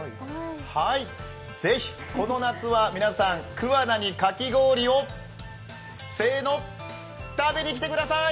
ぜひこの夏は皆さん、桑名にかき氷をせーの、食べに来てください。